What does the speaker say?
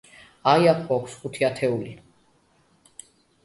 აი, აქ გვაქვს ხუთი ათეული.